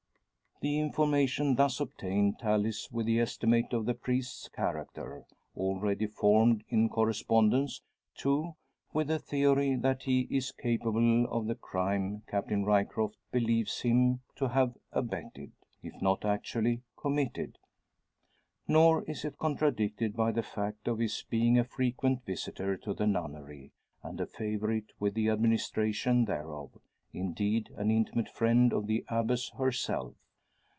The information thus obtained tallies with the estimate of the priest's character, already formed; in correspondence, too, with the theory that he is capable of the crime Captain Ryecroft believes him to have abetted, if not actually committed. Nor is it contradicted by the fact of his being a frequent visitor to the nunnery, and a favourite with the administration thereof; indeed an intimate friend of the Abbess herself.